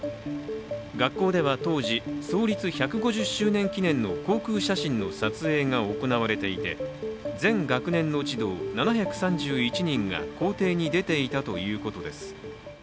学校では当時、創立１５０周年記念の航空写真の撮影が行われていて全学年の児童７３１人が校庭に出ていたということです。